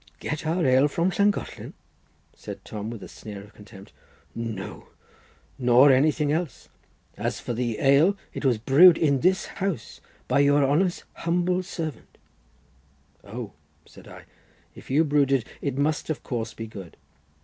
"Get our ale from Llangollen?" said Tom, with a sneer of contempt, "no, nor anything else. As for the ale, it was brewed in this house by your honour's humble servant." "Oh," said I, "if you brewed it, it must of course be good.